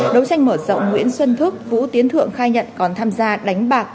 đấu tranh mở rộng nguyễn xuân thức vũ tiến thượng khai nhận còn tham gia đánh bạc